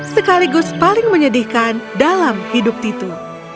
sekaligus paling menyedihkan dalam hidup titu